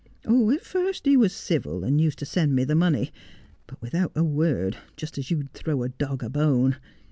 At first he was civil, and used to send me the money ; but without a word, just as you'd throw a dog a bone.